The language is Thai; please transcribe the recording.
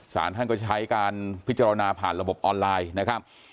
สารท่านก็ใช้การพิจารณาผ่านระบบออนไลน์นะครับ